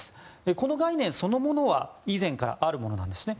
この概念そのものは以前からあるものなんですね。